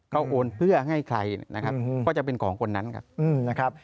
เขาโอนเพื่อให้ใครนะครับก็จะเป็นของคนนั้นครับนะครับ